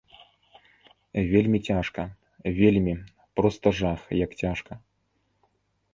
Вельмі цяжка, вельмі, проста жах, як цяжка!